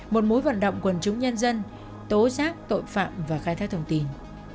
một mũi vận động quân chúng nhân dân tố giác tội phạm và khai thác thông tin